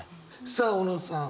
さあ小野さん。